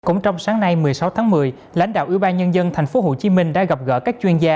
cũng trong sáng nay một mươi sáu tháng một mươi lãnh đạo ủy ban nhân dân tp hcm đã gặp gỡ các chuyên gia